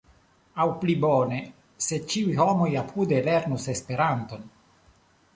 Aŭ pli bone: se ĉiuj homoj apude lernus Esperanton!